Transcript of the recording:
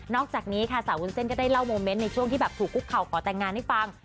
นอกจากนี้ซาวุ้นเซ่นก็ได้เล่าโมเม้นท์ในช่วงที่ถูกคุกเข่าขอแตงงานให้ฟัง